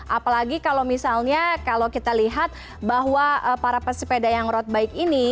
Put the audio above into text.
apalagi kalau misalnya kalau kita lihat bahwa para pesepeda yang road bike ini